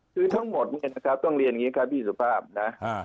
คือทั้งหมดต้องเรียนอย่างนี้ครับพี่สุภาพนะ